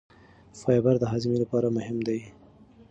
فایبر د هاضمې لپاره مهم دی.